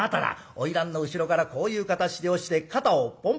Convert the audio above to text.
花魁の後ろからこういう肩肘をして肩をポンポン。